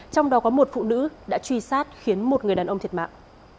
trong đó có một phụ nữ đã truy sát khiến một người đàn ông thiệt mạng